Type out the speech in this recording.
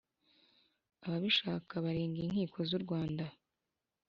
ababishaka baregera inkiko z u Rwanda